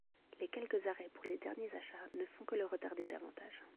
Les quelques arrêts pour les derniers achats ne font que le retarder davantage.